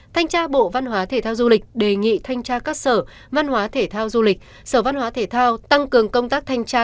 thanh tra bộ văn hóa thể thao du lịch đề nghị thanh tra các sở văn hóa thể thao du lịch sở văn hóa thể thao tăng cường công tác thanh tra